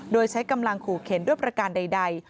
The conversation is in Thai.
โดยใช้กำลังขู่เข็นด้วยประการใด